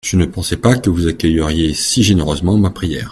Je ne pensais pas que vous accueilleriez si généreusement ma prière.